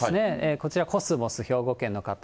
こちら、コスモス、兵庫県の方。